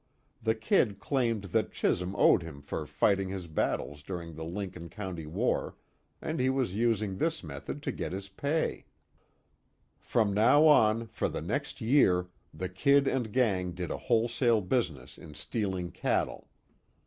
The "Kid" claimed that Chisum owed him for fighting his battles during the Lincoln County war, and he was using this method to get his pay. From now on, for the next year, the "Kid" and gang did a wholesale business in stealing cattle.